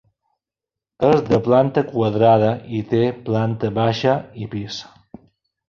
És de planta quadrada i té planta baixa i pis.